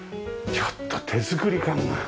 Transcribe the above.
ちょっと手作り感が。